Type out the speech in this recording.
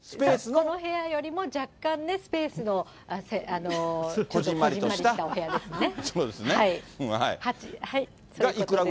この部屋よりも若干スペースの、こじんまりしたお部屋ですね。